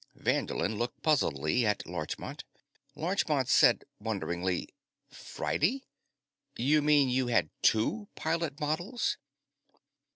Vanderlin looked puzzledly at Larchmont. Larchmont said wonderingly: "Friday? You mean you had two pilot models?"